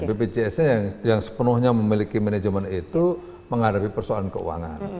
bpjs nya yang sepenuhnya memiliki manajemen itu menghadapi persoalan keuangan